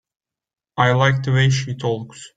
I like the way she talks.